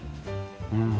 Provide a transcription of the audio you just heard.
うん。